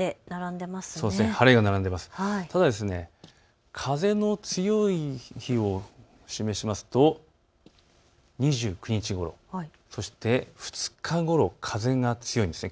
晴れが並んでいますが風の強い日を示しますと２９日ごろ、そして２日ごろ風が強いんです。